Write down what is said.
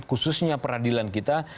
khususnya peradilan kita